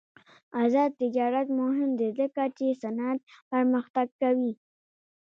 آزاد تجارت مهم دی ځکه چې صنعت پرمختګ کوي.